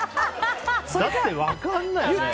だって分からないよね？